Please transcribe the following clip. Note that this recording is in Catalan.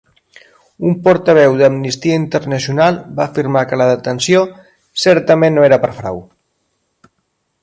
Un portaveu d'Amnistia Internacional va afirmar que la detenció "certament no era per frau".